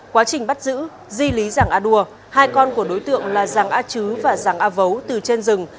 quá trình bắt giữ di lý giàng a đua hai con của đối tượng là giàng a chứ và giàng a vấu từ trên rừng